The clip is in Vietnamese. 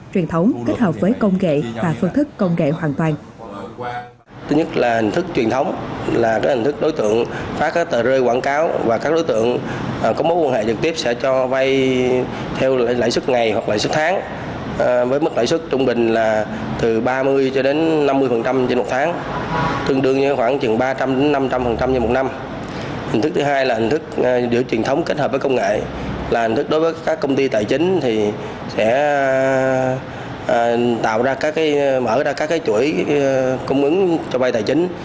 truyền thống truyền thống kết hợp với công nghệ và phương thức công nghệ hoàn toàn